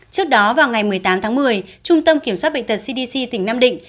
trước đó vào ngày một mươi tám tháng một mươi trung tâm kiểm soát bệnh tật cdc tỉnh nam định